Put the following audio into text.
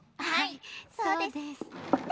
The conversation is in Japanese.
はいそうです。